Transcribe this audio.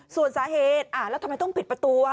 ส่วนสาเหตุแล้วทำไมต้องปิดประตู